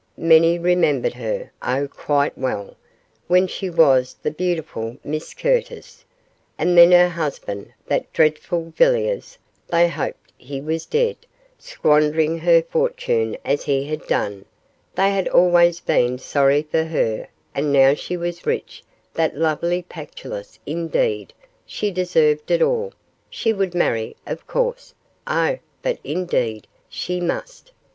Many remembered her oh, quite well when she was the beautiful Miss Curtis; and then her husband that dreadful Villiers they hoped he was dead squandering her fortune as he had done they had always been sorry for her, and now she was rich that lovely Pactolus indeed, she deserved it all she would marry, of course oh, but indeed, she must.